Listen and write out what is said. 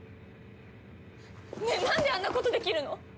ねぇなんであんなことできるの！？